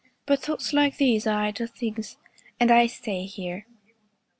But thoughts like these are idle things, And I stay here.